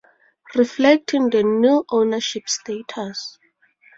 Reflecting the new ownership status.